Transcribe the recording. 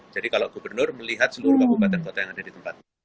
jadi kalau gubernur melihat seluruh kabupaten kota yang ada di tempat